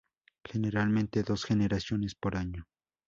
Generalmente dos generaciones por año.